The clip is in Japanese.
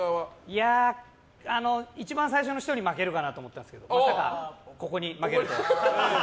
いやー、一番最初の人に負けるかなと思ったんですけどまさかここに負けるとは。